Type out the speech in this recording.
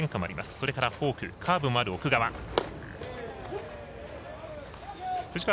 それからフォーク、カーブもある奥川。